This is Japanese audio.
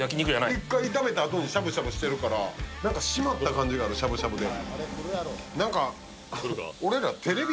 １回炒めたあとにしゃぶしゃぶしてるから、締まった感じがある、しゃぶしゃぶで。